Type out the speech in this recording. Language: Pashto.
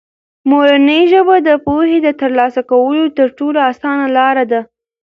مورنۍ ژبه د پوهې د ترلاسه کولو تر ټولو اسانه لاره ده.